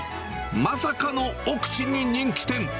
まさかの奥地に人気店。